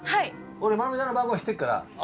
俺マナミちゃんの番号知ってっから。